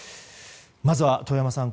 まずは、遠山さん。